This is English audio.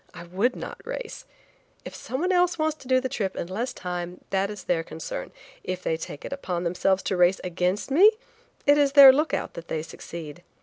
I would not race. If someone else wants to do the trip in less time, that is their concern. If they take it upon themselves to race against me, it is their lookout that they succeed.